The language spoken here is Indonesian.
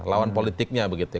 lawan politiknya begitu ya